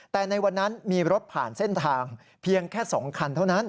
แต่ในวันนั้นมีรถผ่านเส้นทางเพียงแค่๒คันเท่านั้น